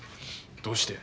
どうして？